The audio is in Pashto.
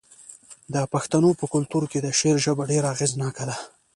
د پښتنو په کلتور کې د شعر ژبه ډیره اغیزناکه ده.